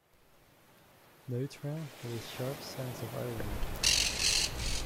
Neutra had a sharp sense of irony.